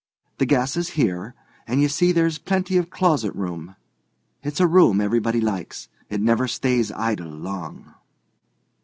The gas is here, and you see there is plenty of closet room. It's a room everybody likes. It never stays idle long."